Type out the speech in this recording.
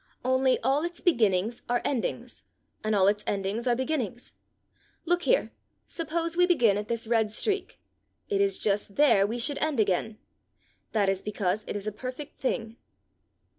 Only all its beginnings are endings, and all its endings are beginnings. Look here: suppose we begin at this red streak, it is just there we should end again. That is because it is a perfect thing.